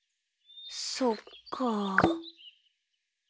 そっかあ。